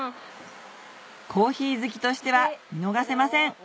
コーヒー好きとしては見逃せません